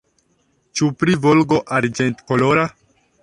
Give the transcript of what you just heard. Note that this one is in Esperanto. Ĉu pri Volgo arĝentkolora?